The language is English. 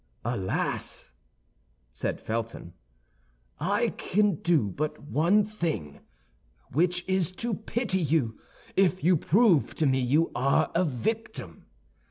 "Alas!" said Felton, "I can do but one thing, which is to pity you if you prove to me you are a victim!